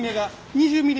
２０ｍｍ？